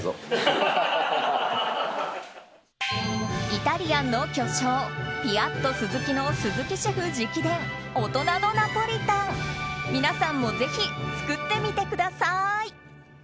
イタリアンの巨匠ピアットスズキの鈴木シェフ直伝大人のナポリタン、皆さんもぜひ作ってみてください。